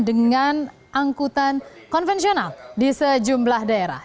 dengan angkutan konvensional di sejumlah daerah